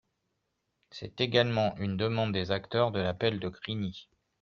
C’est également une demande des acteurs de l’appel de Grigny.